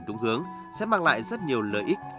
đúng hướng sẽ mang lại rất nhiều lợi ích